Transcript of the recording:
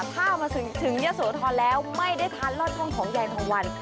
ถ้ามาถึงยะโสธรแล้วไม่ได้ทานลอดช่องของยายทองวัน